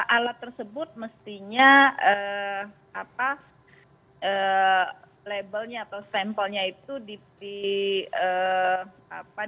alat tersebut mestinya label nya atau sampelnya itu dirobek di depan pasien